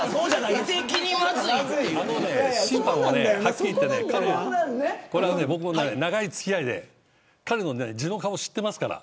審判もはっきり言って僕も長い付き合いで彼の地の顔、知っていますから。